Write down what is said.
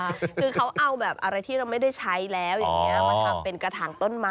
คือเขาเอาแบบอะไรที่เราไม่ได้ใช้แล้วอย่างนี้มาทำเป็นกระถางต้นไม้